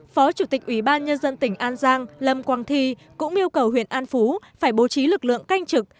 phó chủ tịch ubnd tỉnh an giang lâm quang thi cũng yêu cầu huyện an phú phải bố trí lực lượng canh trực